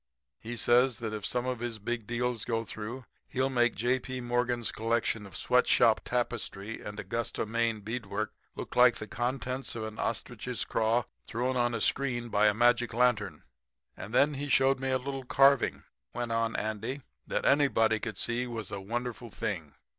He says that if some of his big deals go through he'll make J. P. Morgan's collection of sweatshop tapestry and Augusta, Me., beadwork look like the contents of an ostrich's craw thrown on a screen by a magic lantern. "'And then he showed me a little carving,' went on Andy, 'that anybody could see was a wonderful thing.